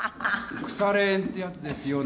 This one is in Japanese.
腐れ縁ってやつですよ